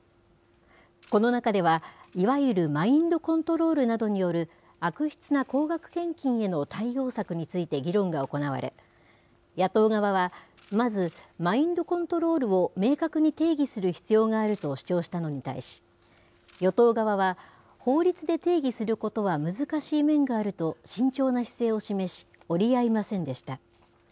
この中では、いわゆるマインドコントロールなどによる悪質な高額献金への対応策について議論が行われ、野党側は、まずマインドコントロールを明確に定義する必要があると主張したのに対し、与党側は、法律で定義することは難しい面があると慎重な姿勢を示し、折り合いませんでした。